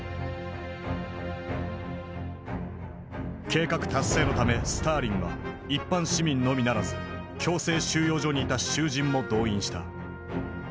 計画達成のためスターリンは一般市民のみならず強制収容所にいた囚人も動員した。